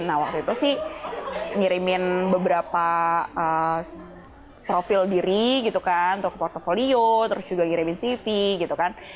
nah waktu itu sih ngirimin beberapa profil diri gitu kan untuk portfolio terus juga ngirimin cv gitu kan